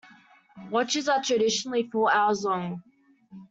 Watches are traditionally four hours long.